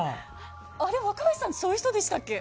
若林さんってそういう人でしたっけ？